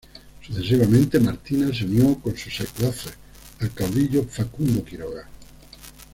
Sucesivamente, Martina se unió con sus secuaces al caudillo Facundo Quiroga.